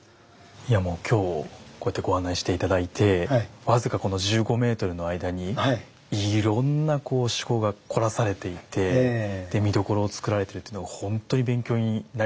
いやもう今日こうやってご案内して頂いて僅かこの１５メートルの間にいろんなこう趣向が凝らされていて見どころを作られているというのが本当に勉強になりました。